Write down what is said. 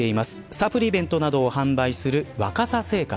サプリメントなどを販売するわかさ生活。